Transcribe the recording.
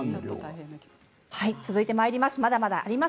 はい続いてまいります。